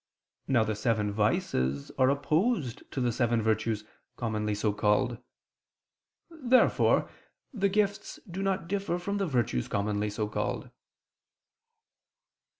Now the seven vices are opposed to the seven virtues, commonly so called. Therefore the gifts do not differ from the virtues commonly so called.